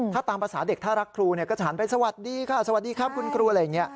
ถ้าตามภาษาเด็กถ้ารักครูก็จะหันไปสวัสดีค่ะสวัสดีครับคุณครูอะไรอย่างนี้